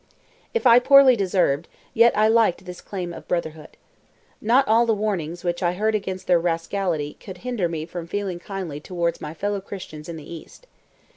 If I poorly deserved, yet I liked this claim of brotherhood. Not all the warnings which I heard against their rascality could hinder me from feeling kindly towards my fellow Christians in the East.